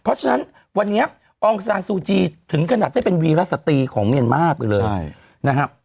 เพราะฉะนั้นวันนี้อองซานซูจีถึงขนาดได้เป็นวีรสตรีของเมียนมาร์ไปเลยนะครับ